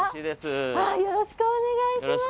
よろしくお願いします。